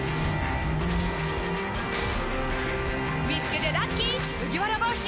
見つけてラッキー麦わら帽子！